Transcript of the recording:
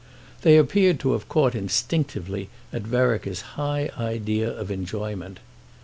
They appeared to have caught instinctively at Vereker's high idea of enjoyment.